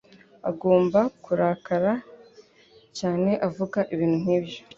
Agomba kurakara cyane avuga ibintu nkibyo.